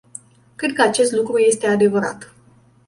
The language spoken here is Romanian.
Cred că acest lucru este adevărat.